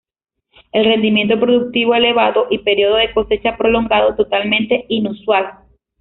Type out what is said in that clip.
De rendimiento productivo elevado y periodo de cosecha prolongado totalmente inusual.